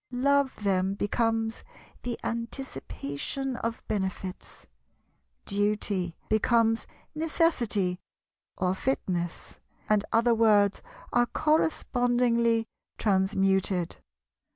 "Love" them becomes "the anticipation of benefits"; "duty" becomes "necessity" or "fitness"; and other words are correspondingly transmuted.